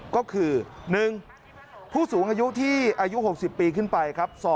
ก็คือ๑ผู้สูงอายุที่อายุ๖๐ปีขึ้นไปครับ